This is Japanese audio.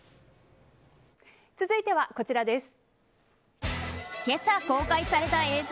続いてはこちらです。